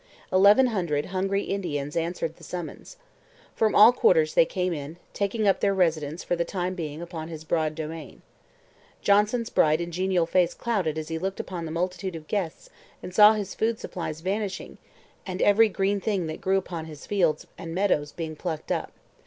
Eleven hundred hungry Indians answered the summons. From all quarters they came in, taking up their residence for the time being upon his broad domain. Johnson's bright and genial face clouded as he looked upon the multitude of guests and saw his food supplies vanishing and every green thing that grew upon his fields and meadows being plucked up.